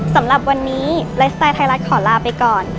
สำหรับวันนี้ไลฟ์สไตล์ไทยรัฐขอลาไปก่อน